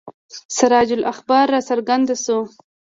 سراج الاخبار را څرګند شو.